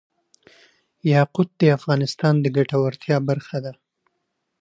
یاقوت د افغانانو د ګټورتیا برخه ده.